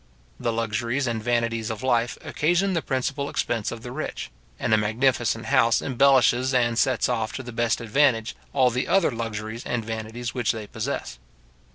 The luxuries and vanities of life occasion the principal expense of the rich; and a magnificent house embellishes and sets off to the best advantage all the other luxuries and vanities which they possess.